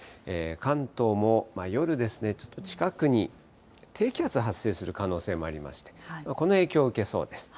関東も夜ですね、ちょっと近くに低気圧が発生する可能性もありまして、この影響を受けそうです。